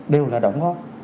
đều là đóng ngó